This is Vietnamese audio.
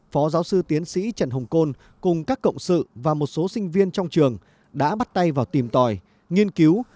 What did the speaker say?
phó giáo sư tiến sĩ trần hồng côn cùng các cộng sự và một số sinh viên trong trường đã bắt tay vào tìm tòi nghiên cứu